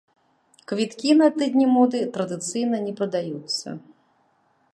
Квіткі на тыдні моды традыцыйна не прадаюцца.